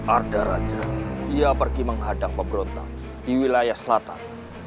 ada raja dia pergi menghadang pemberontak di wilayah selatan